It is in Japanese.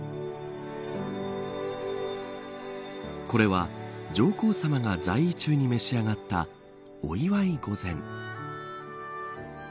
これは上皇さまが在位中に召し上がった御祝御膳。